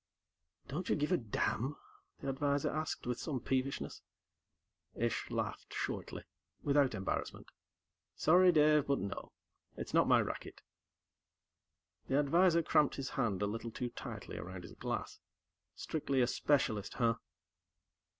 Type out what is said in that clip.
"Don't you give a damn?" the advisor asked, with some peevishness. Ish laughed shortly, without embarrassment. "Sorry, Dave, but no. It's not my racket." The advisor cramped his hand a little too tightly around his glass. "Strictly a specialist, huh?"